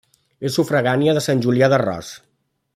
És sufragània de Sant Julià d'Arròs.